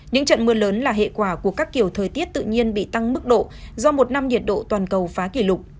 những trận mưa lớn là hệ quả của các kiểu thời tiết tự nhiên bị tăng mức độ do một năm nhiệt độ toàn cầu phá kỷ lục